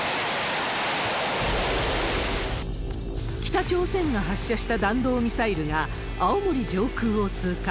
北朝鮮が発射した弾道ミサイルが、青森上空を通過。